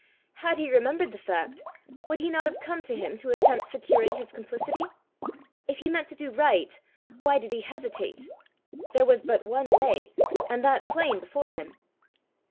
Had he remembered the fact, would he not have come to him to attempt securing his complicity? If he meant to do right, why did he hesitate? there was but one way, and that plain before him!